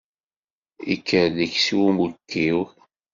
Ikker deg-s uwekkiw.